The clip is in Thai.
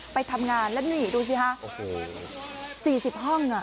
ไปทำงานแล้วนี่ดูสิฮะสี่สิบห้องอ่ะ